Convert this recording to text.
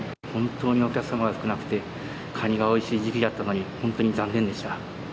本当にお客様が少なくて、カニがおいしい時期だったのに、本当に残念でした。